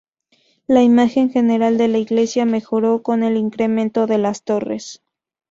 La imagen general de la iglesia mejoró con el incremento de las torres.